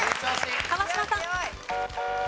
川島さん。